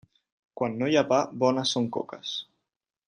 Quan no hi ha pa, bones són coques.